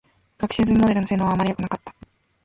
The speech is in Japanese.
学習済みモデルの性能は、あまりよくなかった。